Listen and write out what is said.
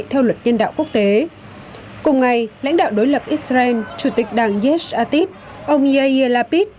theo luật nhân đạo quốc tế cùng ngày lãnh đạo đối lập israel chủ tịch đảng jet ativ ông yair lapid